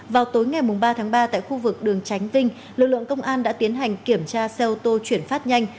vào tối ngày ba tháng ba tại khu vực đường tránh vinh lực lượng công an đã tiến hành kiểm tra xe ô tô chuyển phát nhanh